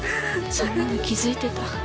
そんなの気付いてた。